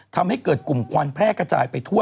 ทำให้เกิดกลุ่มควันแพร่กระจายไปทั่ว